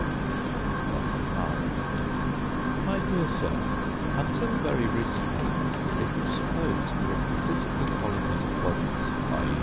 ] LETTER V My dear Sir, Until very recently it was supposed that the physical qualities of bodies, i.